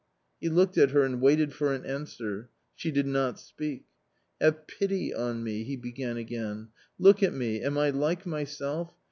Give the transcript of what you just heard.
He looked at her and waited for an answer. She did not speak. " Have pity on me !" he began again —" look at me ; am I like myself?